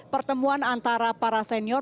pertemuan antara para senior